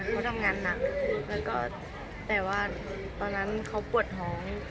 เขาทำงานหนักแล้วก็แต่ว่าตอนนั้นเขาปวดท้อง